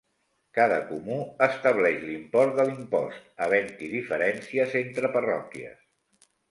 Cada comú estableix l'import de l'impost, havent-hi diferències entre parròquies.